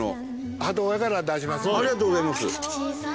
ありがとうございます。